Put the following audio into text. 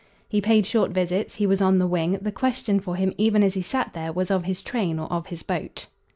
He paid short visits; he was on the wing; the question for him even as he sat there was of his train or of his boat.